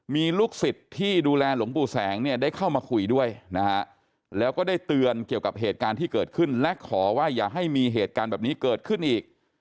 มีลูกศิษย์ที่ดูแลหลวงปู่แสงเนี่ยได้เข้ามาคุยด้วยนะฮะแล้วก็ได้เตือนเกี่ยวกับเหตุการณ์ที่เกิดขึ้นและขอว่าอย่าให้มีเหตุการณ์แบบนี้เกิดขึ้นอีก